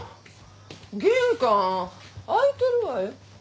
玄関開いてるわよ。